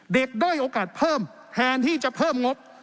ด้อยโอกาสเพิ่มแทนที่จะเพิ่มงบ